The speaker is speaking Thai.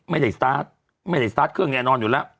ไม่ได้สตาร์ทเครื่องแย้นนอนอยู่แล้ว